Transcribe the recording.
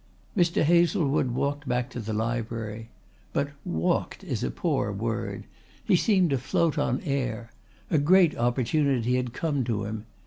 Mr. Hazlewood walked back to the library. But "walked" is a poor word. He seemed to float on air. A great opportunity had come to him.